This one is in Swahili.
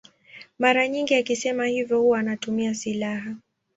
Mara nyingi akisema hivyo huwa anatumia silaha.